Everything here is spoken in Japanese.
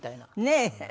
ねえ！